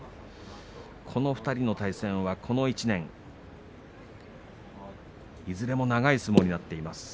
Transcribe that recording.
この２人の対戦はこの１年いずれも長い相撲になっています。